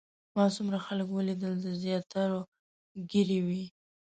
ما څومره خلک ولیدل د زیاترو ږیرې وې.